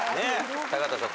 高畑さん